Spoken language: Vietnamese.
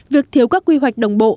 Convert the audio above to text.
việc thiếu các quy hoạch đồng bộ